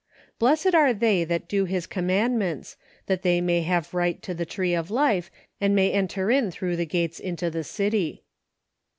" Blessed are they that do His commandments, that they may have right to the tree of life, and may enter in through the gates into the city."